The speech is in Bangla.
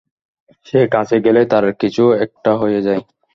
সে কাছে গেলেই তার কিছু একটা হয়ে যায়।